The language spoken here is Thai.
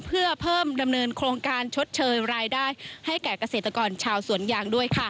เพื่อเพิ่มดำเนินโครงการชดเชยรายได้ให้แก่เกษตรกรชาวสวนยางด้วยค่ะ